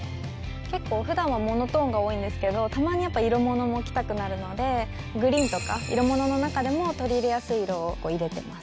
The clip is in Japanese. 普段はモノトーンが多いんですけどたまに、やっぱり色物も着たくなるのでグリーンとか色物の中でも取り入れやすい色を入れています。